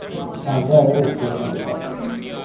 আমরা এর উত্তর দিতে পারি।